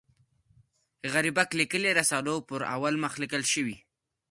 غریبک لیکلي رسالو پر اول مخ لیکل شوي.